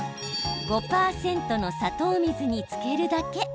５％の砂糖水に漬けるだけ。